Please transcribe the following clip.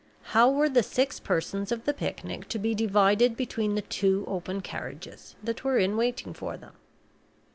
How were the six persons of the picnic to be divided between the two open carriages that were in waiting for them?